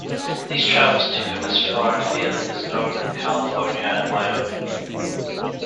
These travels took him as far afield as Northern California and Wyoming.